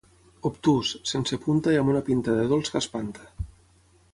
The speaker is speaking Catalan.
Obtús, sense punta i amb una pinta de dolç que espanta.